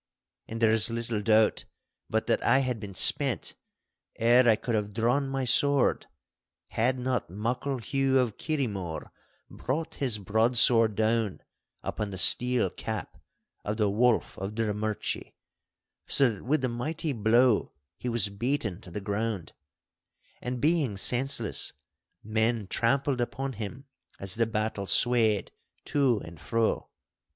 And there is little doubt but that I had been spent ere I could have drawn my sword, had not Muckle Hugh of Kirriemore brought his broadsword down upon the steel cap of the Wolf of Drummurchie, so that with the mighty blow he was beaten to the ground, and, being senseless, men trampled upon him as the battle swayed to and fro.